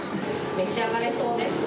召し上がれそうですか？